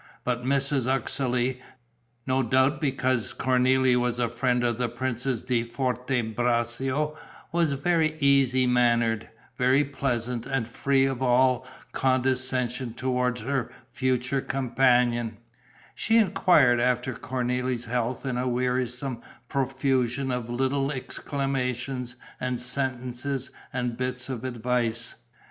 But Mrs. Uxeley, no doubt because Cornélie was a friend of the Princess di Forte Braccio, was very easy mannered, very pleasant and free of all condescension towards her future companion; she enquired after Cornélie's health in a wearisome profusion of little exclamations and sentences and bits of advice.